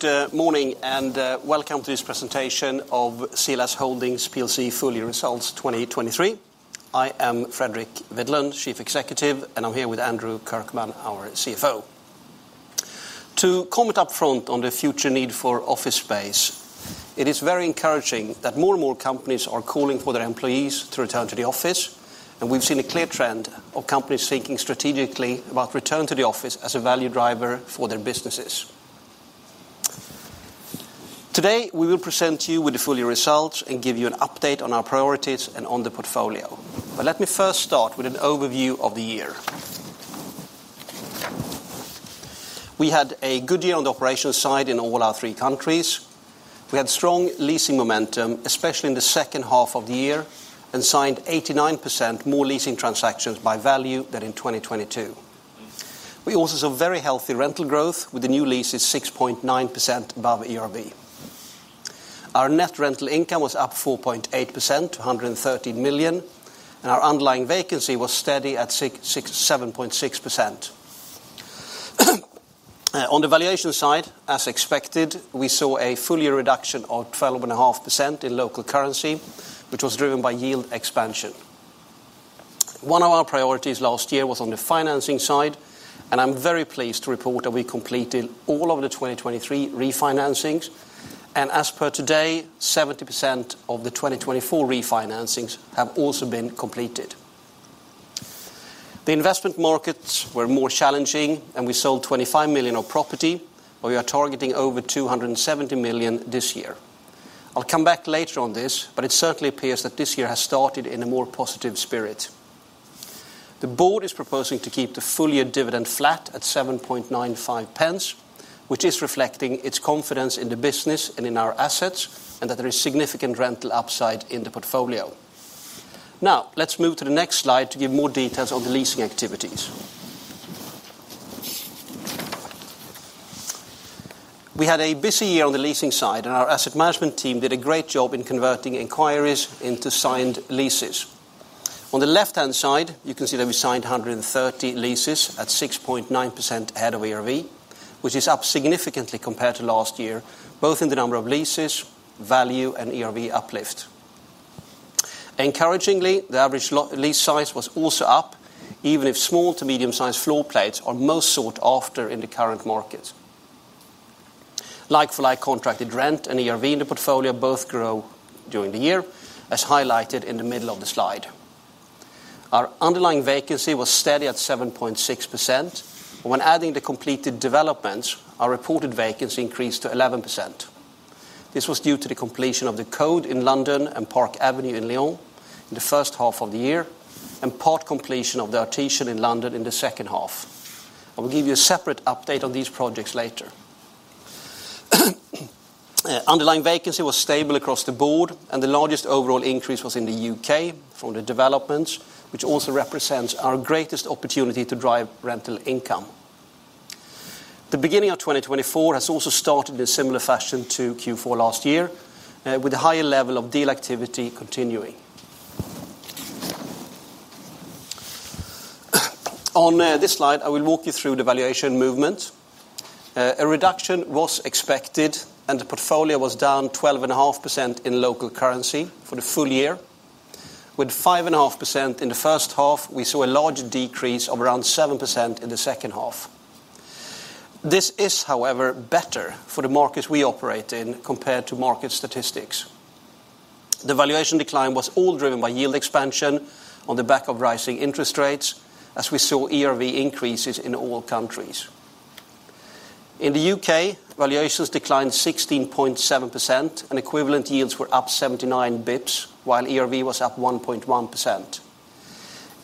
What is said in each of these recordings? Good morning, and welcome to this presentation of CLS Holdings PLC full year results 2023. I am Fredrik Widlund, Chief Executive, and I'm here with Andrew Kirkman, our CFO. To comment upfront on the future need for office space, it is very encouraging that more and more companies are calling for their employees to return to the office, and we've seen a clear trend of companies thinking strategically about return to the office as a value driver for their businesses. Today, we will present to you with the full year results and give you an update on our priorities and on the portfolio. But let me first start with an overview of the year. We had a good year on the operational side in all our three countries. We had strong leasing momentum, especially in the second half of the year, and signed 89% more leasing transactions by value than in 2022. We also saw very healthy rental growth, with the new leases 6.9% above ERV. Our net rental income was up 4.8% to 130 million, and our underlying vacancy was steady at 7.6%. On the valuation side, as expected, we saw a full year reduction of 12.5% in local currency, which was driven by yield expansion. One of our priorities last year was on the financing side, and I'm very pleased to report that we completed all of the 2023 refinancings, and as per today, 70% of the 2024 refinancings have also been completed. The investment markets were more challenging, and we sold 25 million of property, but we are targeting over 270 million this year. I'll come back later on this, but it certainly appears that this year has started in a more positive spirit. The board is proposing to keep the full year dividend flat at 0.0795, which is reflecting its confidence in the business and in our assets, and that there is significant rental upside in the portfolio. Now, let's move to the next slide to give more details on the leasing activities. We had a busy year on the leasing side, and our asset management team did a great job in converting inquiries into signed leases. On the left-hand side, you can see that we signed 130 leases at 6.9% ahead of ERV, which is up significantly compared to last year, both in the number of leases, value, and ERV uplift. Encouragingly, the average lease size was also up, even if small to medium-sized floor plates are most sought after in the current market. Like for like contracted rent and ERV in the portfolio both grow during the year, as highlighted in the middle of the slide. Our underlying vacancy was steady at 7.6%, and when adding the completed developments, our reported vacancy increased to 11%. This was due to the completion of The Coade in London and Park Avenue in Lyon in the first half of the year, and part completion of The Artesian in London in the second half. I will give you a separate update on these projects later. Underlying vacancy was stable across the board, and the largest overall increase was in the U.K. from the developments, which also represents our greatest opportunity to drive rental income. The beginning of 2024 has also started in a similar fashion to Q4 last year, with a higher level of deal activity continuing. On this slide, I will walk you through the valuation movement. A reduction was expected, and the portfolio was down 12.5% in local currency for the full year. With 5.5% in the first half, we saw a large decrease of around 7% in the second half. This is, however, better for the markets we operate in compared to market statistics. The valuation decline was all driven by yield expansion on the back of rising interest rates, as we saw ERV increases in all countries. In the U.K., valuations declined 16.7%, and equivalent yields were up 79 bips, while ERV was up 1.1%.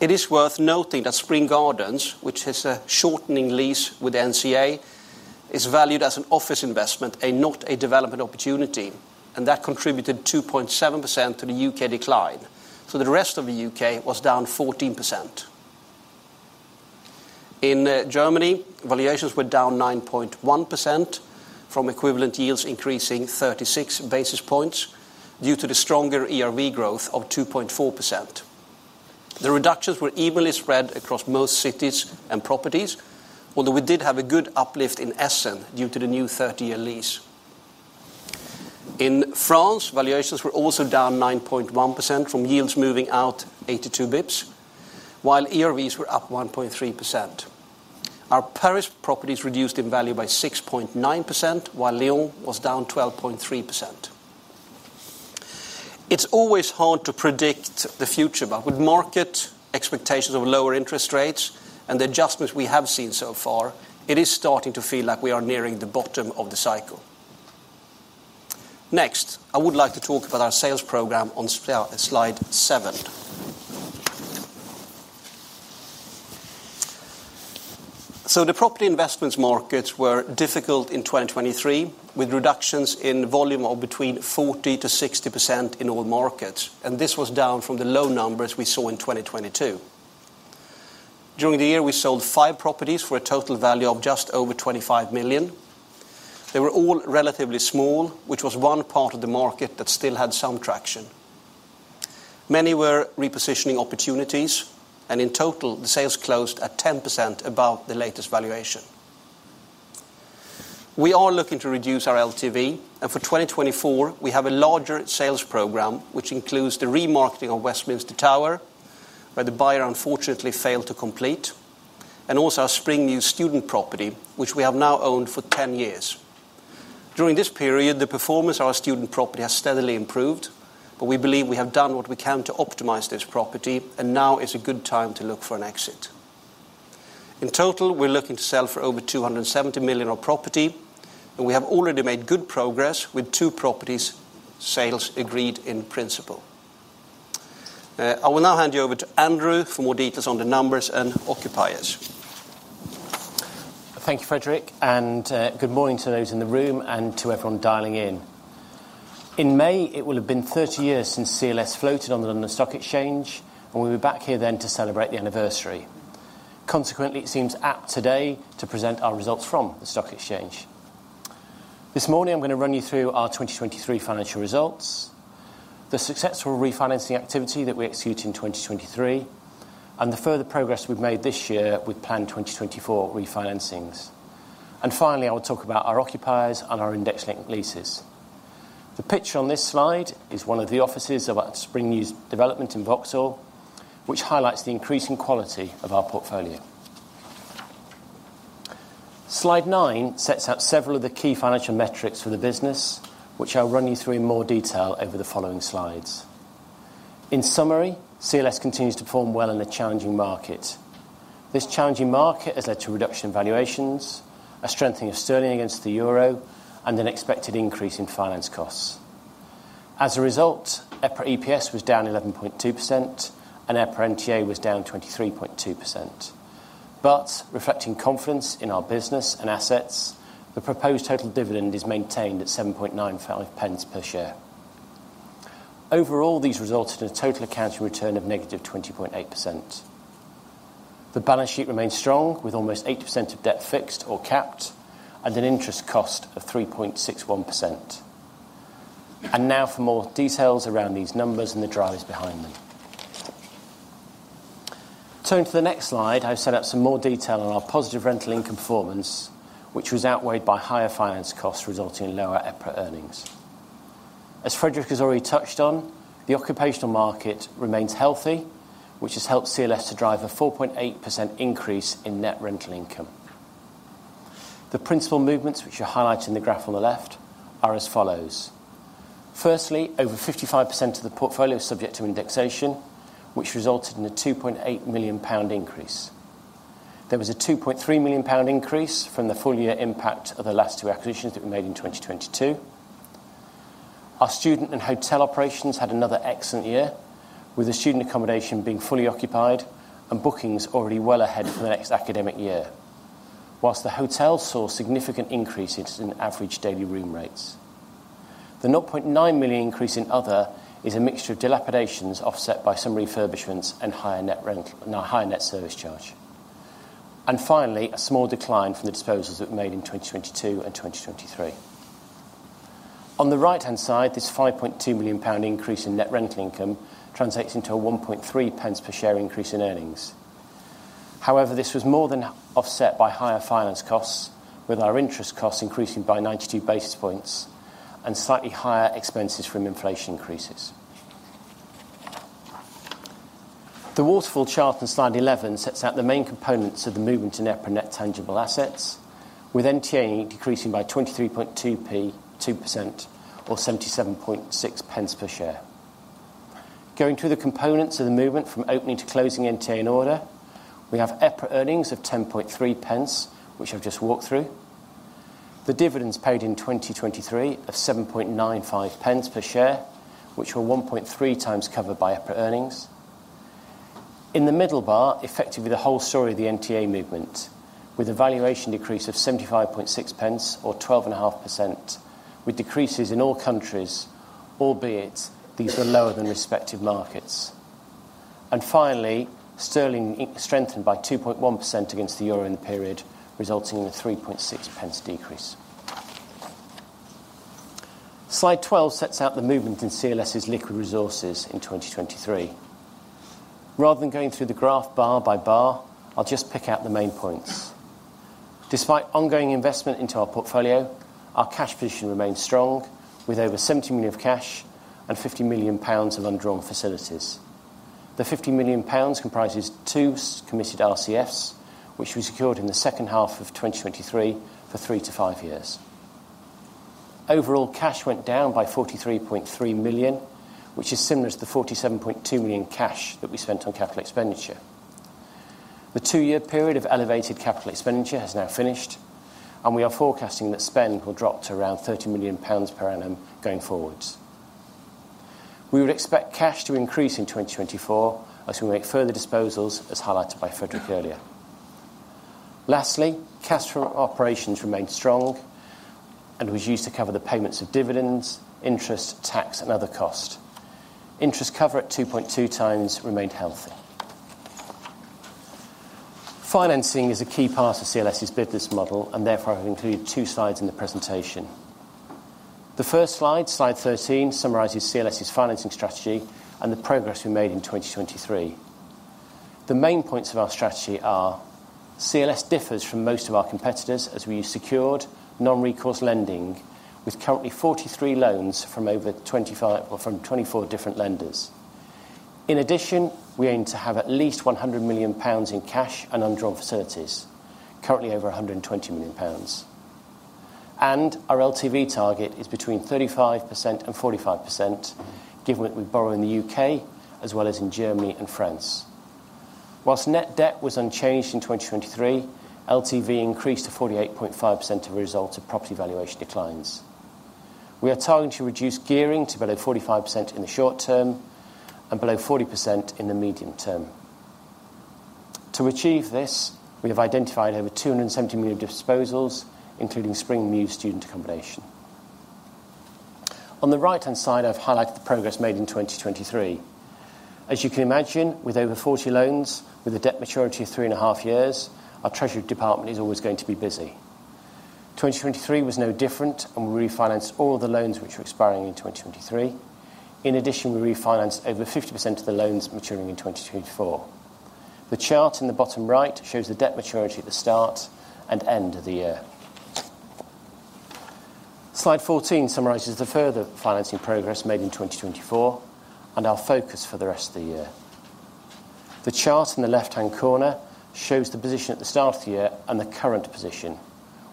It is worth noting that Spring Gardens, which has a shortening lease with NCA, is valued as an office investment and not a development opportunity, and that contributed 2.7% to the U.K. decline, so the rest of the U.K. was down 14%. In Germany, valuations were down 9.1% from equivalent yields increasing 36 basis points due to the stronger ERV growth of 2.4%. The reductions were evenly spread across most cities and properties, although we did have a good uplift in Essen due to the new 30-year lease. In France, valuations were also down 9.1% from yields moving out 82 bips, while ERVs were up 1.3%. Our Paris properties reduced in value by 6.9%, while Lyon was down 12.3%. It's always hard to predict the future, but with market expectations of lower interest rates and the adjustments we have seen so far, it is starting to feel like we are nearing the bottom of the cycle. Next, I would like to talk about our sales program on slide seven. So the property investments markets were difficult in 2023, with reductions in volume of between 40%-60% in all markets, and this was down from the low numbers we saw in 2022. During the year, we sold 5 properties for a total value of just over 25 million. They were all relatively small, which was one part of the market that still had some traction. Many were repositioning opportunities, and in total, the sales closed at 10% above the latest valuation. We are looking to reduce our LTV, and for 2024, we have a larger sales program, which includes the remarketing of Westminster Tower, where the buyer, unfortunately, failed to complete, and also our Spring Mews student property, which we have now owned for 10 years. During this period, the performance of our student property has steadily improved, but we believe we have done what we can to optimize this property, and now is a good time to look for an exit. In total, we're looking to sell for over 270 million of property, and we have already made good progress with two properties, sales agreed in principle. I will now hand you over to Andrew for more details on the numbers and occupiers. Thank you, Fredrik, and good morning to those in the room and to everyone dialing in. In May, it will have been 30 years since CLS floated on the London Stock Exchange, and we'll be back here then to celebrate the anniversary. Consequently, it seems apt today to present our results from the stock exchange. This morning, I'm gonna run you through our 2023 financial results, the successful refinancing activity that we executed in 2023, and the further progress we've made this year with planned 2024 refinancings. And finally, I will talk about our occupiers and our index-linked leases. The picture on this slide is one of the offices of our Spring Mews development in Vauxhall, which highlights the increasing quality of our portfolio. Slide nine sets out several of the key financial metrics for the business, which I'll run you through in more detail over the following slides. In summary, CLS continues to perform well in the challenging market. This challenging market has led to a reduction in valuations, a strengthening of sterling against the euro, and an expected increase in finance costs. As a result, EPRA EPS was down 11.2%, and EPRA NTA was down 23.2%. But reflecting confidence in our business and assets, the proposed total dividend is maintained at 0.0795 per share. Overall, these resulted in a total accounting return of negative 20.8%. The balance sheet remains strong, with almost 80% of debt fixed or capped, and an interest cost of 3.61%. Now for more details around these numbers and the drivers behind them. Turning to the next slide, I've set out some more detail on our positive rental income performance, which was outweighed by higher finance costs, resulting in lower EPRA earnings. As Fredrik has already touched on, the occupational market remains healthy, which has helped CLS to drive a 4.8% increase in net rental income. The principal movements, which are highlighted in the graph on the left, are as follows: firstly, over 55% of the portfolio is subject to indexation, which resulted in a 2.8 million pound increase. There was a 2.3 million pound increase from the full-year impact of the last two acquisitions that were made in 2022. Our student and hotel operations had another excellent year, with the student accommodation being fully occupied and bookings already well ahead for the next academic year. While the hotel saw significant increases in average daily room rates. The 0.9 million increase in other is a mixture of dilapidations, offset by some refurbishments and higher net rent, and a high net service charge. And finally, a small decline from the disposals that were made in 2022 and 2023. On the right-hand side, this 5.2 million pound increase in net rental income translates into a 1.3 pence per share increase in earnings. However, this was more than offset by higher finance costs, with our interest costs increasing by 92 basis points and slightly higher expenses from inflation increases. The waterfall chart on Slide 11 sets out the main components of the movement in EPRA net tangible assets, with NTA decreasing by 23.2% or 0.776 per share. Going through the components of the movement from opening to closing NTA in order, we have EPRA earnings of 0.103, which I've just walked through. The dividends paid in 2023 of 0.0795 per share, which were 1.3 times covered by EPRA earnings. In the middle bar, effectively, the whole story of the NTA movement, with a valuation decrease of 0.756 or 12.5%, with decreases in all countries, albeit these were lower than respective markets. Finally, sterling strengthened by 2.1% against the euro in the period, resulting in a 3.6 pence decrease. Slide 12 sets out the movement in CLS's liquid resources in 2023. Rather than going through the graph bar by bar, I'll just pick out the main points. Despite ongoing investment into our portfolio, our cash position remains strong, with over 70 million of cash and 50 million pounds of undrawn facilities. The 50 million pounds comprises two committed RCFs, which we secured in the second half of 2023 for three to five years. Overall, cash went down by 43.3 million, which is similar to the 47.2 million cash that we spent on capital expenditure. The two-year period of elevated capital expenditure has now finished, and we are forecasting that spend will drop to around 30 million pounds per annum going forwards. We would expect cash to increase in 2024 as we make further disposals, as highlighted by Fredrik earlier. Lastly, cash from operations remained strong and was used to cover the payments of dividends, interest, tax, and other cost. Interest cover at 2.2 times remained healthy.... Financing is a key part of CLS's business model, and therefore, I've included two slides in the presentation. The first slide, slide 13, summarizes CLS's financing strategy and the progress we made in 2023. The main points of our strategy are: CLS differs from most of our competitors, as we use secured non-recourse lending, with currently 43 loans from over 25-- or from 24 different lenders. In addition, we aim to have at least 100 million pounds in cash and undrawn facilities, currently over 120 million pounds. And our LTV target is between 35% and 45%, given that we borrow in the U.K. as well as in Germany and France. While net debt was unchanged in 2023, LTV increased to 48.5% as a result of property valuation declines. We are targeting to reduce gearing to below 45% in the short term and below 40% in the medium term. To achieve this, we have identified over 270 million disposals, including Spring Mews student accommodation. On the right-hand side, I've highlighted the progress made in 2023. As you can imagine, with over 40 loans with a debt maturity of 3.5 years, our treasury department is always going to be busy. 2023 was no different, and we refinanced all of the loans which were expiring in 2023. In addition, we refinanced over 50% of the loans maturing in 2024. The chart in the bottom right shows the debt maturity at the start and end of the year. Slide 14 summarizes the further financing progress made in 2024 and our focus for the rest of the year. The chart in the left-hand corner shows the position at the start of the year and the current position.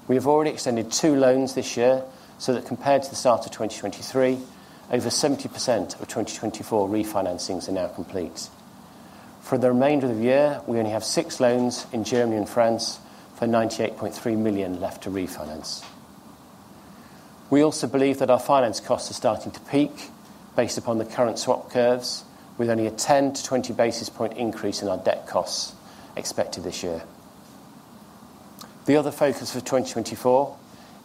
We have already extended two loans this year, so that compared to the start of 2023, over 70% of 2024 refinancings are now complete. For the remainder of the year, we only have six loans in Germany and France for 98.3 million left to refinance. We also believe that our finance costs are starting to peak based upon the current swap curves, with only a 10-20 basis point increase in our debt costs expected this year. The other focus for 2024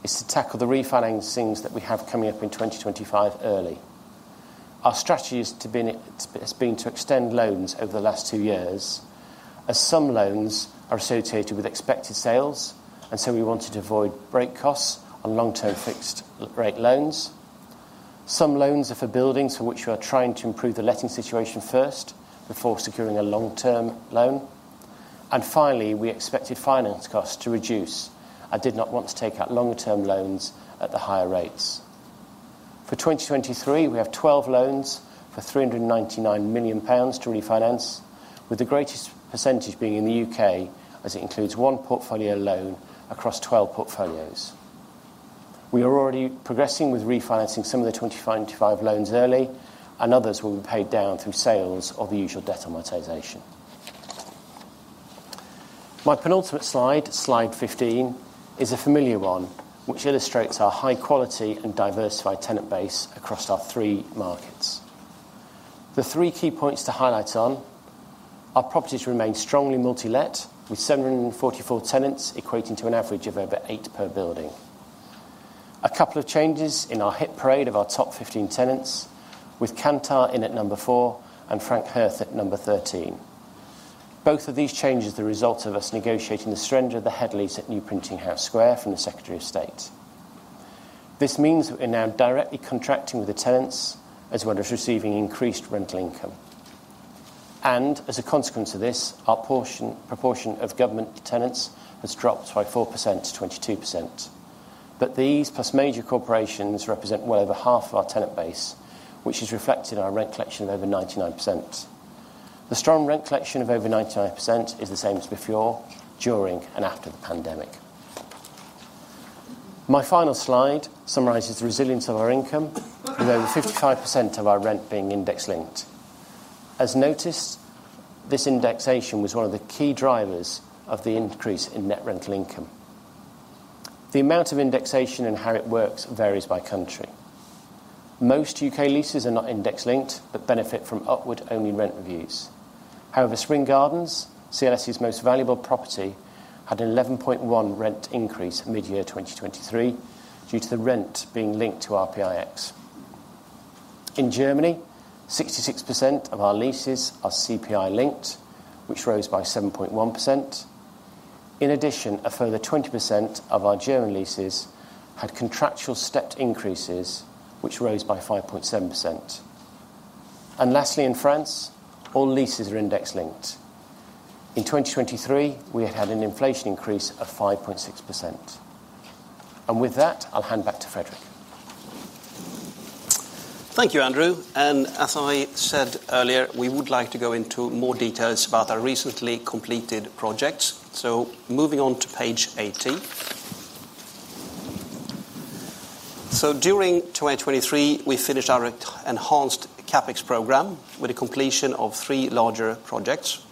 is to tackle the refinancings that we have coming up in 2025 early. Our strategy has been to extend loans over the last two years, as some loans are associated with expected sales, and so we wanted to avoid break costs on long-term fixed rate loans. Some loans are for buildings for which we are trying to improve the letting situation first before securing a long-term loan. Finally, we expected finance costs to reduce and did not want to take out longer-term loans at the higher rates. For 2023, we have 12 loans for 399 million pounds to refinance, with the greatest percentage being in the U.K., as it includes one portfolio loan across 12 portfolios. We are already progressing with refinancing some of the 2025 loans early, and others will be paid down through sales of usual debt amortization. My penultimate slide, slide 15, is a familiar one, which illustrates our high quality and diversified tenant base across our three markets. The three key points to highlight on, our properties remain strongly multi-let, with 744 tenants equating to an average of over eight per building. A couple of changes in our hit parade of our top 15 tenants, with Kantar in at number four and Fraunhofer at number 13. Both of these changes are the result of us negotiating the surrender of the headlease at New Printing House Square from the Secretary of State. This means that we're now directly contracting with the tenants, as well as receiving increased rental income. And as a consequence of this, our portion, proportion of government tenants has dropped by 4% to 22%. But these, plus major corporations, represent well over half of our tenant base, which is reflected in our rent collection of over 99%. The strong rent collection of over 99% is the same as before, during, and after the pandemic. My final slide summarizes the resilience of our income, with over 55% of our rent being index-linked. As noticed, this indexation was one of the key drivers of the increase in net rental income. The amount of indexation and how it works varies by country. Most U.K. leases are not index-linked, but benefit from upward-only rent reviews. However, Spring Gardens, CLS's most valuable property, had an 11.1 rent increase mid-year 2023 due to the rent being linked to RPIX. In Germany, 66% of our leases are CPI-linked, which rose by 7.1%. In addition, a further 20% of our German leases had contractual stepped increases, which rose by 5.7%. And lastly, in France, all leases are index-linked. In 2023, we had an inflation increase of 5.6%. And with that, I'll hand back to Fredrik. Thank you, Andrew. As I said earlier, we would like to go into more details about our recently completed projects. Moving on to page 18. During 2023, we finished our enhanced CapEx program with the completion of three larger projects.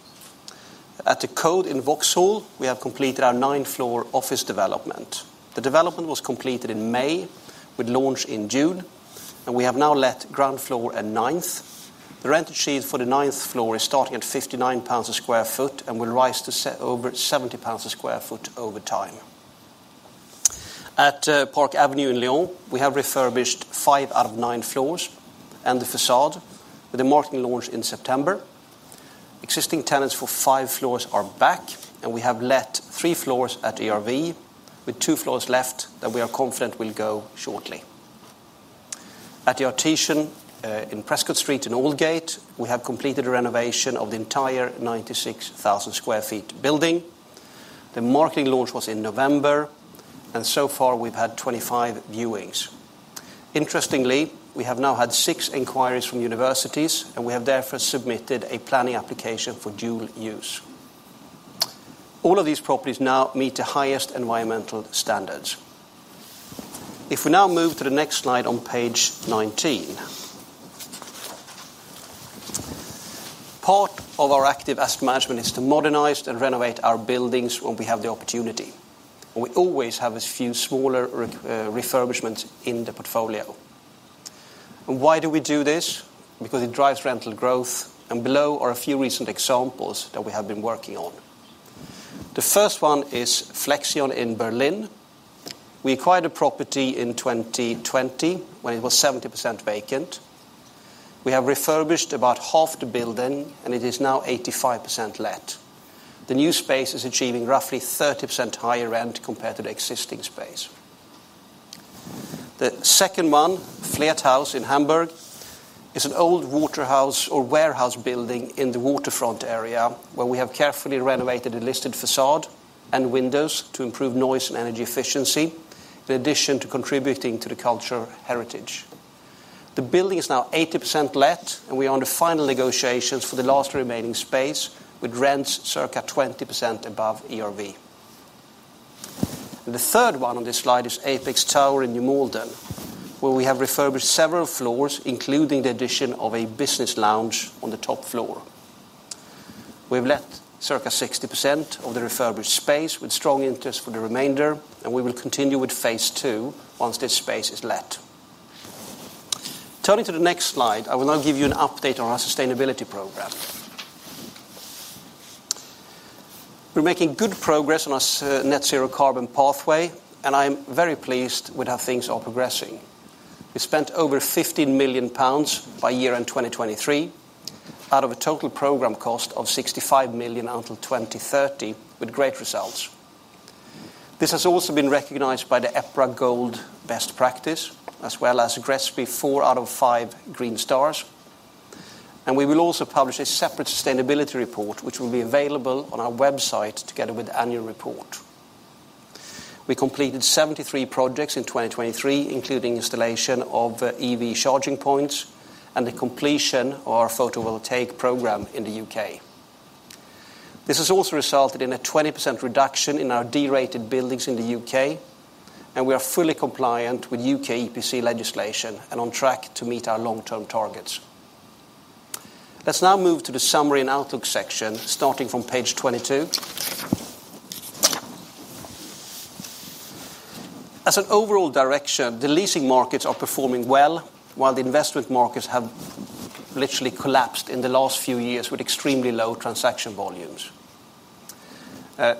At The Coade in Vauxhall, we have completed our nine-floor office development. The development was completed in May, with launch in June, and we have now let ground floor and ninth. The rent achieved for the ninth floor is starting at 59 pounds per sq ft and will rise to over 70 pounds per sq ft over time. At Park Avenue in Lyon, we have refurbished five out of nine floors and the facade, with the marketing launch in September. Existing tenants for five floors are back, and we have let three floors at ERV, with two floors left that we are confident will go shortly. At The Artesian in Prescot Street in Aldgate, we have completed a renovation of the entire 96,000 sq ft building. The marketing launch was in November, and so far, we've had 25 viewings. Interestingly, we have now had six inquiries from universities, and we have therefore submitted a planning application for dual use. All of these properties now meet the highest environmental standards. If we now move to the next slide on page 19. Part of our active asset management is to modernize and renovate our buildings when we have the opportunity. We always have a few smaller refurbishments in the portfolio. And why do we do this? Because it drives rental growth, and below are a few recent examples that we have been working on. The first one is Flexion in Berlin. We acquired a property in 2020, when it was 70% vacant. We have refurbished about half the building, and it is now 85% let. The new space is achieving roughly 30% higher rent compared to the existing space. The second one, Fleethaus in Hamburg, is an old water house or warehouse building in the waterfront area, where we have carefully renovated a listed facade and windows to improve noise and energy efficiency, in addition to contributing to the cultural heritage. The building is now 80% let, and we are under final negotiations for the last remaining space, with rents circa 20% above ERV. The third one on this slide is Apex Tower in New Malden, where we have refurbished several floors, including the addition of a business lounge on the top floor. We've let circa 60% of the refurbished space, with strong interest for the remainder, and we will continue with phase two once this space is let. Turning to the next slide, I will now give you an update on our sustainability program. We're making good progress on our Net Zero Carbon pathway, and I am very pleased with how things are progressing. We spent over 15 million pounds by year-end 2023, out of a total program cost of 65 million until 2030, with great results. This has also been recognized by the EPRA Gold Best Practice, as well as GRESB four out of five Green Stars. We will also publish a separate sustainability report, which will be available on our website, together with the annual report. We completed 73 projects in 2023, including installation of EV charging points and the completion of our photovoltaic program in the U.K. This has also resulted in a 20% reduction in our D-rated buildings in the U.K., and we are fully compliant with U.K. EPC legislation and on track to meet our long-term targets. Let's now move to the summary and outlook section, starting from page 22. As an overall direction, the leasing markets are performing well, while the investment markets have literally collapsed in the last few years with extremely low transaction volumes.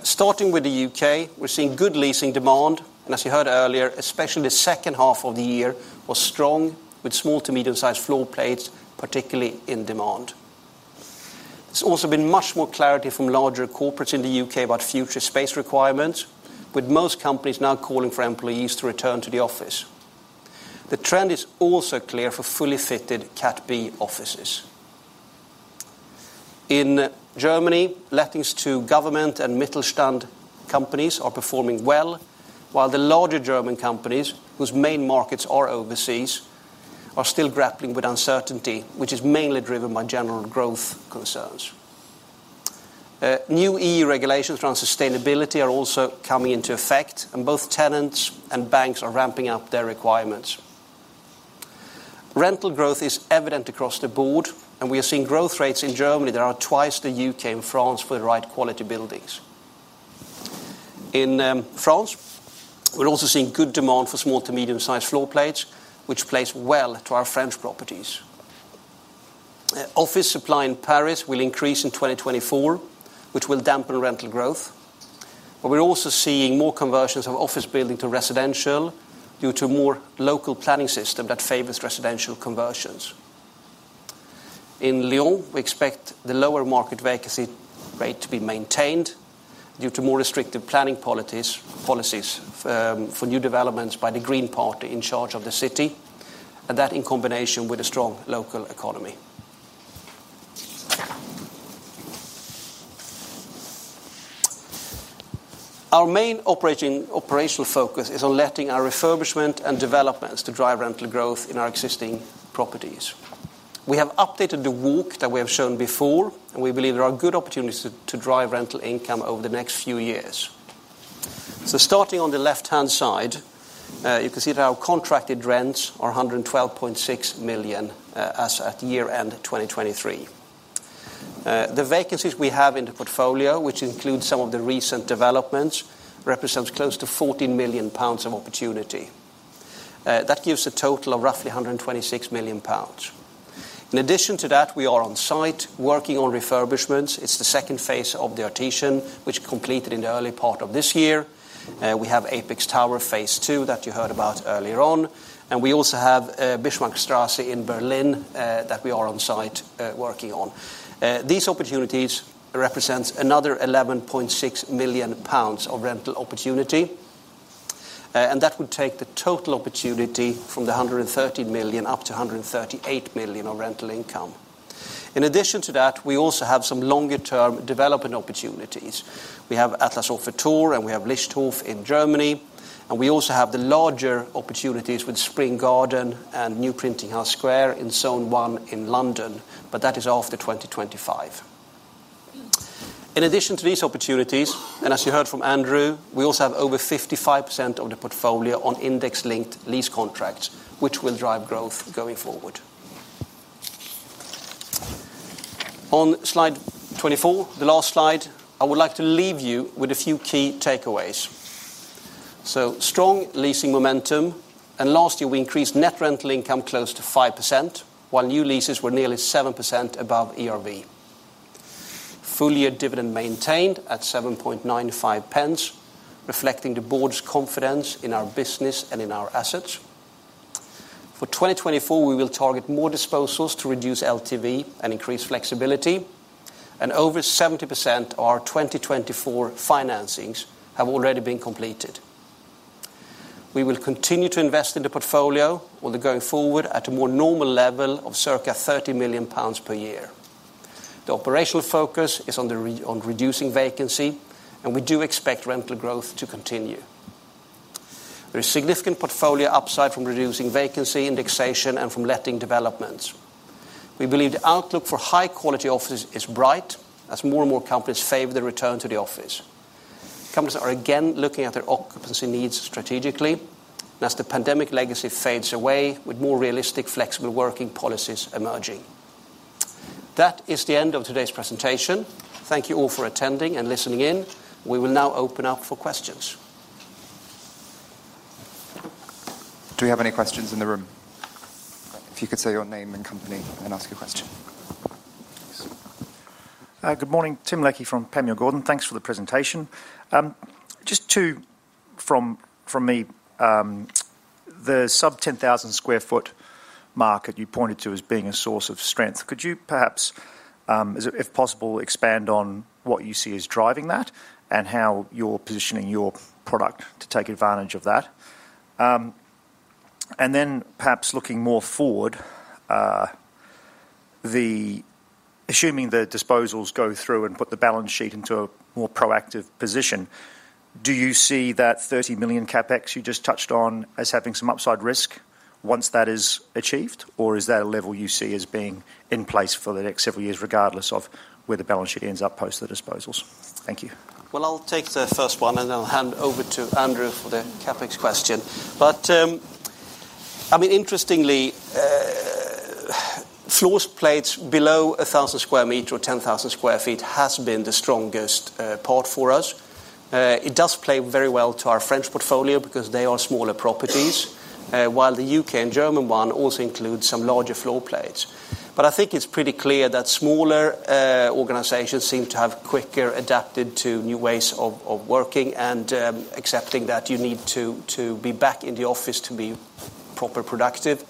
Starting with the U.K., we're seeing good leasing demand, and as you heard earlier, especially the second half of the year was strong, with small to medium-sized floor plates, particularly in demand. There's also been much more clarity from larger corporates in the U.K. about future space requirements, with most companies now calling for employees to return to the office. The trend is also clear for fully fitted Cat B offices. In Germany, lettings to government and Mittelstand companies are performing well, while the larger German companies, whose main markets are overseas, are still grappling with uncertainty, which is mainly driven by general growth concerns. New E.U. regulations around sustainability are also coming into effect, and both tenants and banks are ramping up their requirements. Rental growth is evident across the board, and we are seeing growth rates in Germany that are twice the U.K and France for the right quality buildings. In France, we're also seeing good demand for small to medium-sized floor plates, which plays well to our French properties. Office supply in Paris will increase in 2024, which will dampen rental growth. But we're also seeing more conversions of office building to residential due to more local planning system that favors residential conversions. In Lyon, we expect the lower market vacancy rate to be maintained due to more restrictive planning policies for new developments by the Green Party in charge of the city, and that in combination with a strong local economy. Our main operating, operational focus is on letting our refurbishment and developments to drive rental growth in our existing properties. We have updated the walk that we have shown before, and we believe there are good opportunities to drive rental income over the next few years. So starting on the left-hand side, you can see that our contracted rents are 112.6 million as at year-end 2023. The vacancies we have in the portfolio, which includes some of the recent developments, represents close to 14 million pounds of opportunity. That gives a total of roughly 126 million pounds. In addition to that, we are on site working on refurbishments. It's the second phase of The Artesian, which completed in the early part of this year. We have Apex Tower phase two that you heard about earlier on, and we also have Bismarckstraße in Berlin that we are on site working on. These opportunities represents another 11.6 million pounds of rental opportunity, and that would take the total opportunity from the 130 million up to 138 million of rental income. In addition to that, we also have some longer-term development opportunities. We have Adlershof, and we have Lichthof in Germany, and we also have the larger opportunities with Spring Gardens and New Printing House Square in Zone 1 in London, but that is after 2025. In addition to these opportunities, and as you heard from Andrew, we also have over 55% of the portfolio on index-linked lease contracts, which will drive growth going forward. On slide 24, the last slide, I would like to leave you with a few key takeaways. So strong leasing momentum, and last year, we increased net rental income close to 5%, while new leases were nearly 7% above ERV. Full-year dividend maintained at 7.95 pence, reflecting the board's confidence in our business and in our assets. For 2024, we will target more disposals to reduce LTV and increase flexibility, and over 70% of our 2024 financings have already been completed. We will continue to invest in the portfolio, although going forward at a more normal level of circa 30 million pounds per year. The operational focus is on reducing vacancy, and we do expect rental growth to continue. There is significant portfolio upside from reducing vacancy, indexation, and from letting developments. We believe the outlook for high-quality offices is bright, as more and more companies favor the return to the office. Companies are again looking at their occupancy needs strategically, and as the pandemic legacy fades away, with more realistic, flexible working policies emerging. That is the end of today's presentation. Thank you all for attending and listening in. We will now open up for questions. Do we have any questions in the room? If you could say your name and company and ask your question. Please. Good morning, Tim Leckie from Panmure Gordon. Thanks for the presentation. Just two from me. The sub-10,000 sq ft market you pointed to as being a source of strength, could you perhaps, if possible, expand on what you see as driving that and how you're positioning your product to take advantage of that? And then perhaps looking more forward, assuming the disposals go through and put the balance sheet into a more proactive position, do you see that 30 million CapEx you just touched on as having some upside risk once that is achieved, or is that a level you see as being in place for the next several years, regardless of where the balance sheet ends up post the disposals? Thank you. Well, I'll take the first one, and then I'll hand over to Andrew for the CapEx question. But, I mean, interestingly, floor plates below 1,000 sq m or 10,000 sq ft has been the strongest part for us. It does play very well to our French portfolio because they are smaller properties, while the U.K. and German one also includes some larger floor plates. But I think it's pretty clear that smaller organizations seem to have quicker adapted to new ways of working and accepting that you need to be back in the office to be proper productive.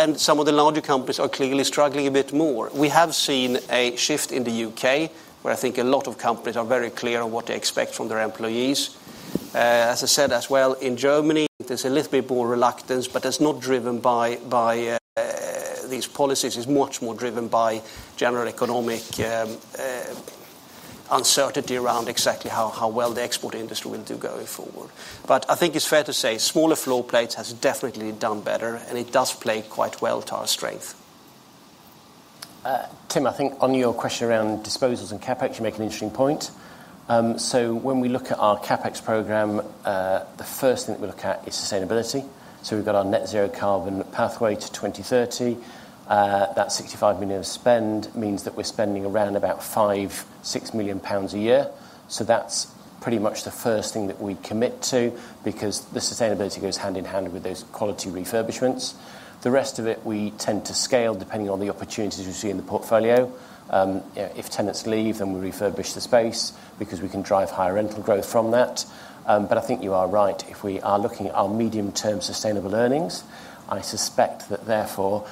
And some of the larger companies are clearly struggling a bit more. We have seen a shift in the U.K., where I think a lot of companies are very clear on what they expect from their employees. As I said as well, in Germany, there's a little bit more reluctance, but that's not driven by these policies. It's much more driven by general economic uncertainty around exactly how well the export industry will do going forward. But I think it's fair to say, smaller floor plates has definitely done better, and it does play quite well to our strength. Tim, I think on your question around disposals and CapEx, you make an interesting point. So when we look at our CapEx program, the first thing that we look at is sustainability. So we've got our Net Zero Carbon pathway to 2030. That 65 million of spend means that we're spending around about 5-6 million pounds a year. So that's pretty much the first thing that we commit to because the sustainability goes hand in hand with those quality refurbishments. The rest of it, we tend to scale depending on the opportunities we see in the portfolio. If tenants leave, then we refurbish the space because we can drive higher rental growth from that. But I think you are right. If we are looking at our medium-term sustainable earnings, I suspect that therefore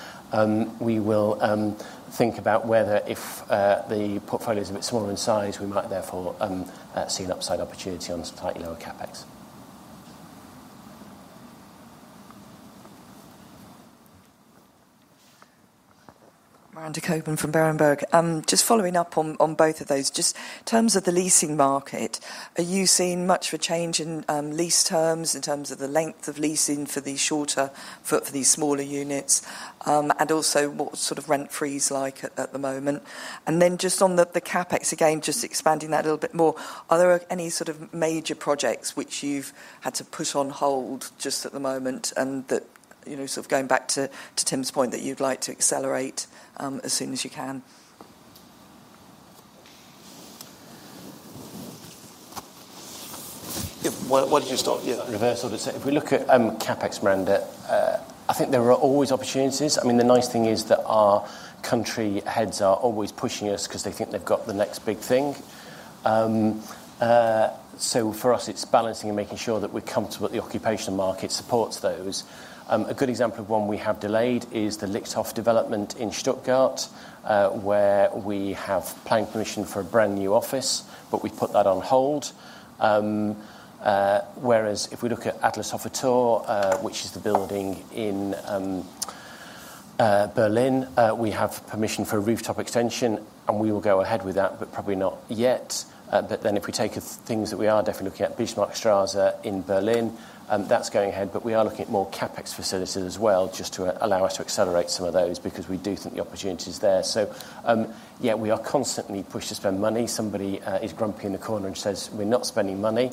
we will think about whether if the portfolio is a bit smaller in size, we might therefore see an upside opportunity on slightly lower CapEx. Miranda Cockburn from Berenberg. Just following up on both of those, just in terms of the leasing market, are you seeing much of a change in lease terms, in terms of the length of leasing for the shorter, for these smaller units? And also, what sort of rent free is like at the moment? And then just on the CapEx, again, just expanding that a little bit more, are there any sort of major projects which you've had to put on hold just at the moment and that, you know, sort of going back to Tim's point, that you'd like to accelerate as soon as you can?... Yeah, where did you stop? Yeah. Reversal. If we look at, CapEx, Miranda, I think there are always opportunities. I mean, the nice thing is that our country heads are always pushing us because they think they've got the next big thing. So for us, it's balancing and making sure that we're comfortable the occupation market supports those. A good example of one we have delayed is the Lichthof development in Stuttgart, where we have planning permission for a brand-new office, but we've put that on hold. Whereas if we look at Adlershof, which is the building in, Berlin, we have permission for a rooftop extension, and we will go ahead with that, but probably not yet. But then if we take things that we are definitely looking at, Biesdorf Strasse in Berlin, that's going ahead, but we are looking at more CapEx facilities as well, just to allow us to accelerate some of those because we do think the opportunity is there. So, yeah, we are constantly pushed to spend money. Somebody is grumpy in the corner and says, "We're not spending money."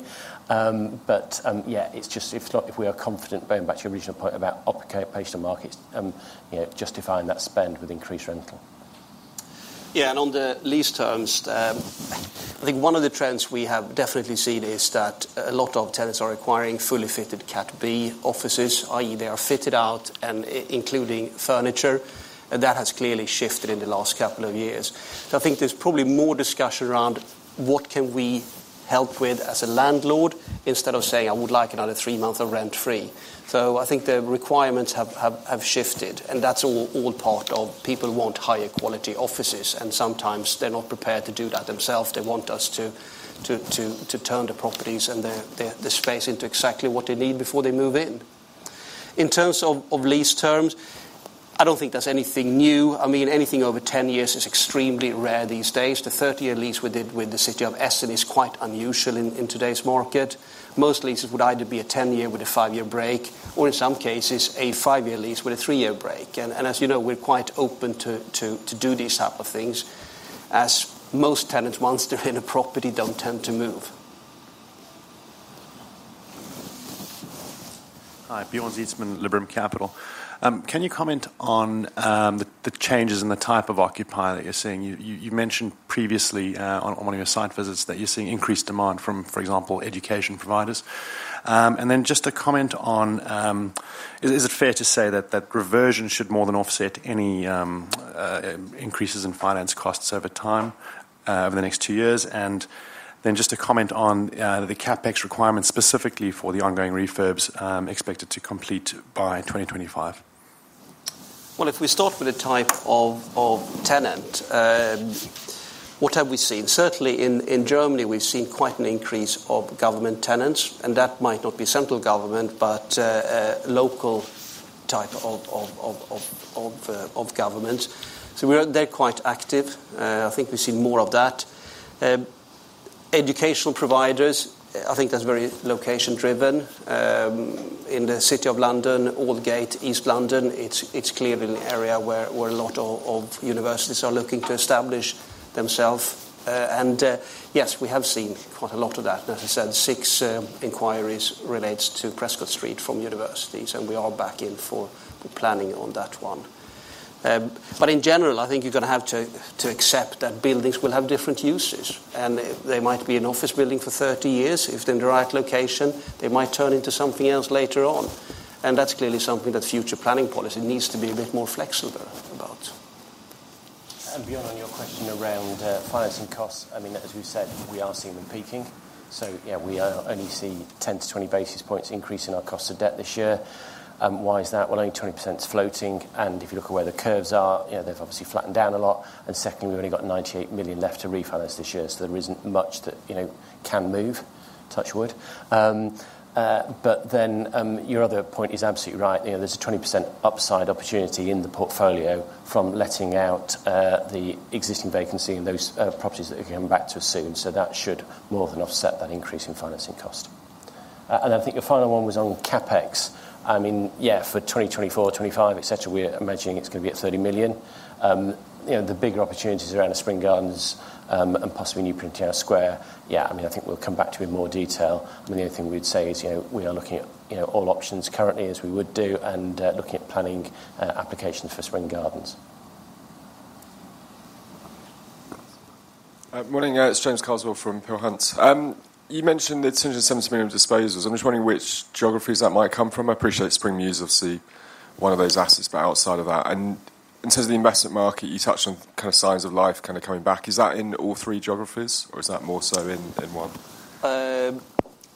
But, yeah, it's just if not, if we are confident, going back to your original point about occupation markets, you know, justifying that spend with increased rental. Yeah, and on the lease terms, I think one of the trends we have definitely seen is that a lot of tenants are acquiring fully fitted Cat B offices, i.e., they are fitted out and including furniture, and that has clearly shifted in the last couple of years. So I think there's probably more discussion around what can we help with as a landlord, instead of saying, "I would like another three months of rent-free." So I think the requirements have shifted, and that's all part of people want higher quality offices, and sometimes they're not prepared to do that themselves. They want us to turn the properties and the space into exactly what they need before they move in. In terms of lease terms, I don't think there's anything new. I mean, anything over 10 years is extremely rare these days. The 30-year lease we did with the City of Essen is quite unusual in today's market. Most leases would either be a 10-year with a five-year break, or in some cases, a five-year lease with a three-year break. And as you know, we're quite open to do these type of things, as most tenants, once they're in a property, don't tend to move. Hi, Bjorn Zietsman, Liberum Capital. Can you comment on the changes in the type of occupier that you're seeing? You mentioned previously on one of your site visits that you're seeing increased demand from, for example, education providers. And then just a comment on, is it fair to say that that reversion should more than offset any increases in finance costs over time, over the next two years? And then just a comment on the CapEx requirements, specifically for the ongoing refurbs, expected to complete by 2025. Well, if we start with the type of tenant, what have we seen? Certainly in Germany, we've seen quite an increase of government tenants, and that might not be central government, but a local type of government. So we're-they're quite active. I think we've seen more of that. Educational providers, I think that's very location-driven. In the City of London, Aldgate, East London, it's clearly an area where a lot of universities are looking to establish themselves. And yes, we have seen quite a lot of that. As I said, six inquiries relates to Prescott Street from universities, and we are back in for planning on that one. But in general, I think you're going to have to accept that buildings will have different uses, and they might be an office building for 30 years. If they're in the right location, they might turn into something else later on, and that's clearly something that future planning policy needs to be a bit more flexible about. Bjorn, on your question around financing costs, I mean, as we've said, we are seeing them peaking. So yeah, we are only seeing 10-20 basis points increase in our cost of debt this year. Why is that? Well, only 20% is floating, and if you look at where the curves are, you know, they've obviously flattened down a lot. And secondly, we've only got 98 million left to refinance this year, so there isn't much that, you know, can move, touch wood. But then, your other point is absolutely right. You know, there's a 20% upside opportunity in the portfolio from letting out the existing vacancy in those properties that are coming back to us soon. So that should more than offset that increase in financing cost. And I think your final one was on CapEx. I mean, yeah, for 2024, 2025, et cetera, we're imagining it's going to be at 30 million. You know, the bigger opportunities around the Spring Gardens, and possibly New Printing House Square. Yeah, I mean, I think we'll come back to you in more detail. I mean, the only thing we'd say is, you know, we are looking at, you know, all options currently, as we would do, and, looking at planning, applications for Spring Gardens. Morning, it's James Carswell from Peel Hunt. You mentioned the 270 million disposals. I'm just wondering which geographies that might come from. I appreciate Spring Mews, obviously, one of those assets, but outside of that. And in terms of the investment market, you touched on kind of signs of life kind of coming back. Is that in all three geographies, or is that more so in, in one?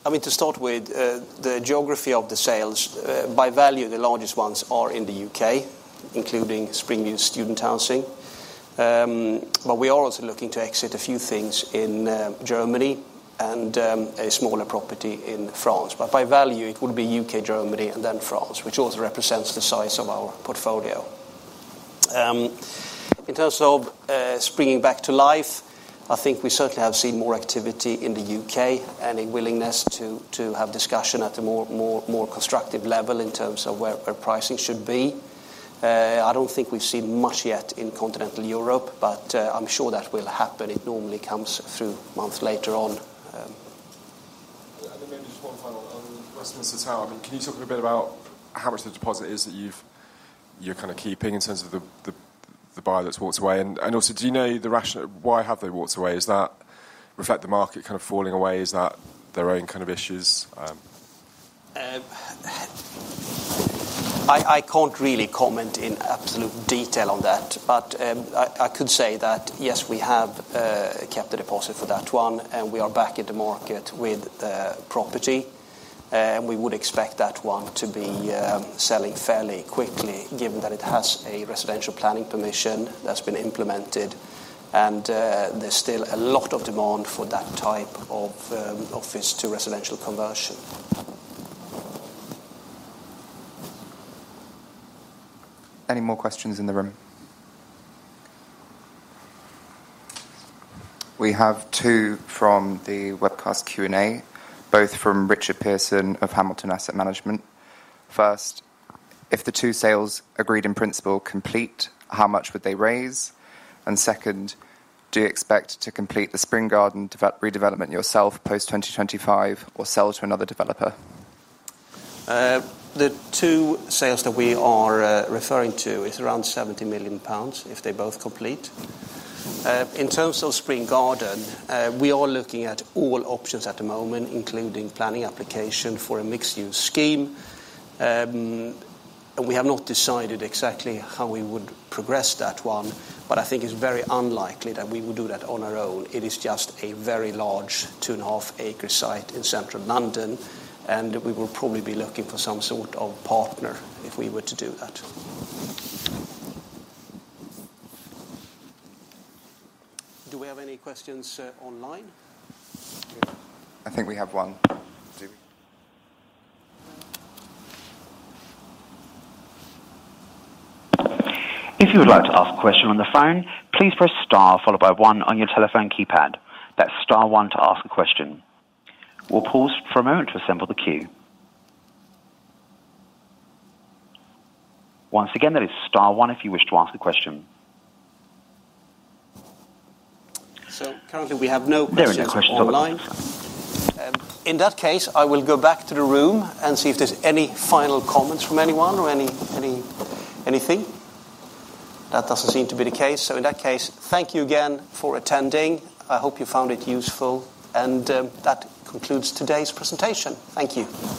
I mean, to start with, the geography of the sales, by value, the largest ones are in the U.K., including Spring Mews student housing. But we are also looking to exit a few things in Germany and a smaller property in France. But by value, it would be U.K., Germany, and then France, which also represents the size of our portfolio. In terms of springing back to life, I think we certainly have seen more activity in the U.K. and a willingness to have discussion at a more constructive level in terms of where pricing should be. I don't think we've seen much yet in continental Europe, but I'm sure that will happen. It normally comes through months later on. And then maybe just one final on Westminster Tower. I mean, can you talk a bit about how much the deposit is that you've, you're kind of keeping in terms of the buyer that's walked away? And also, do you know the rationale, why have they walked away? Does that reflect the market kind of falling away? Is that their own kind of issues? I can't really comment in absolute detail on that, but I could say that, yes, we have kept the deposit for that one, and we are back in the market with the property. We would expect that one to be selling fairly quickly, given that it has a residential planning permission that's been implemented, and there's still a lot of demand for that type of office to residential conversion. Any more questions in the room? We have two from the webcast Q&A, both from Richard Pearson of Hamilton Asset Management. First, if the two sales agreed in principle complete, how much would they raise? And second, do you expect to complete the Spring Gardens redevelopment yourself post-2025 or sell to another developer? The two sales that we are referring to is around 70 million pounds, if they both complete. In terms of Spring Gardens, we are looking at all options at the moment, including planning application for a mixed-use scheme. We have not decided exactly how we would progress that one, but I think it's very unlikely that we would do that on our own. It is just a very large 2.5-acre site in central London, and we will probably be looking for some sort of partner if we were to do that. Do we have any questions online? I think we have one. Do we? If you would like to ask a question on the phone, please press star followed by one on your telephone keypad. That's star one to ask a question. We'll pause for a moment to assemble the queue. Once again, that is star one if you wish to ask a question. Currently, we have no questions online. There are no questions online. In that case, I will go back to the room and see if there's any final comments from anyone or anything. That doesn't seem to be the case. So in that case, thank you again for attending. I hope you found it useful, and that concludes today's presentation. Thank you.